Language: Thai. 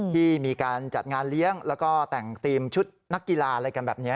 ที่มีการจัดงานเลี้ยงแล้วก็แต่งทีมชุดนักกีฬาอะไรกันแบบนี้